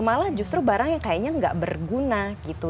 malah justru barangnya kayaknya nggak berguna gitu